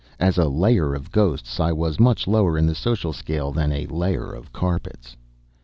As a layer of ghosts I was much lower in the social scale than a layer of carpets.